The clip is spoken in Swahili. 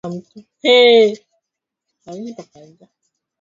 Wewe ni mwanaharakati mwema